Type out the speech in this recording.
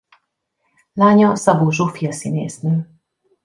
Lánya Szabó Zsófia színésznő.